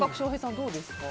どうですか？